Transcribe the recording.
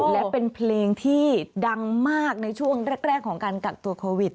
และเป็นเพลงที่ดังมากในช่วงแรกของการกักตัวโควิด